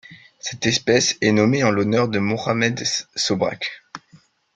Cette espèce est nommée en l'honneur de Mohammed Shobrak.